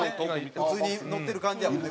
普通に乗ってる感じやもんね。